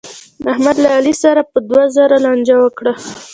احمد له علي سره په دوه زره لانجه وکړه.